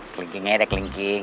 kelingking aja deh kelingking